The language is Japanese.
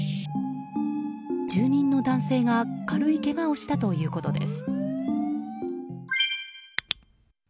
住人の男性が軽いけがをしたということです。